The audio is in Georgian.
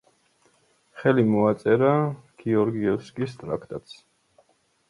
ხელი მოაწერა გეორგიევსკის ტრაქტატს.